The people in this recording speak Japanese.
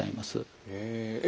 へえ。